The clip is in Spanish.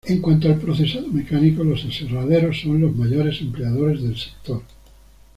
En cuando al procesado mecánico, los aserraderos son los mayores empleadores del sector.